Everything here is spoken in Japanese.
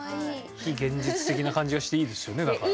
非現実的な感じがしていいですよねだから。